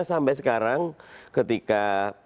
sampai sekarang ketika